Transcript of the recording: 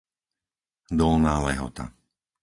Dolná Lehota